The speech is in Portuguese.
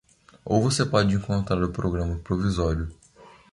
Ou você pode encontrar o programa provisório.